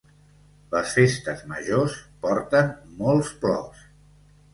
Les festes majors porten molts plors.